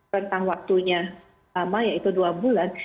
rentang waktunya lama yaitu dua bulan